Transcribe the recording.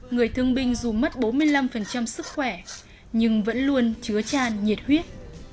người thương binh dù mất bốn mươi năm sức khỏe nhưng vẫn luôn chứa tràn nhiệt huyết